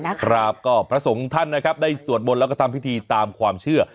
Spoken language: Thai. ครับก็พระสงฆ์ท่านได้สวดบนและก็ทำพิธีตามความเชื่อ